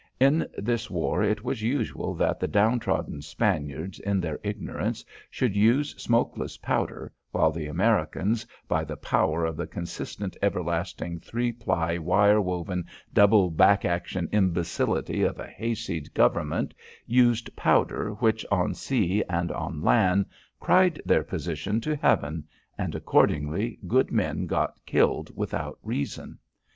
In this war it was usual that the down trodden Spaniards in their ignorance should use smokeless powder while the Americans, by the power of the consistent everlasting three ply, wire woven, double back action imbecility of a hay seed government, used powder which on sea and on land cried their position to heaven, and, accordingly, good men got killed without reason.